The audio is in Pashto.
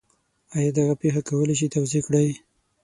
آیا دغه پېښه کولی شئ توضیح کړئ؟